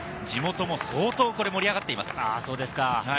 地元も相当盛り上がっています。